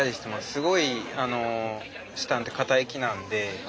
すごい紫檀って堅い木なんで。